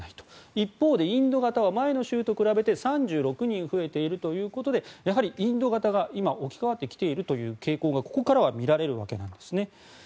一方でインド型は前の週と比べて３６人増えているということでやはりインド型が今置き換わってきているという傾向がここからは見られるわけなんです。